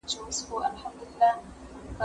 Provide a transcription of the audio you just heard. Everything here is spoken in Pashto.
زه پرون سړو ته خواړه ورکوم،